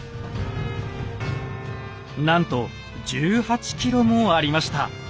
なんと１８ｋｇもありました。